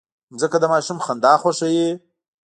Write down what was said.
مځکه د ماشوم خندا خوښوي.